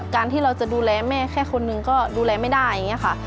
การที่เราจะดูแลแม่แค่คนหนึ่งก็ดูแลไม่ได้อย่างนี้ค่ะ